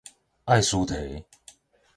愛斯提